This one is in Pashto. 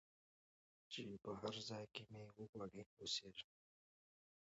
چي په هرځای کي مي وغواړی او سېږم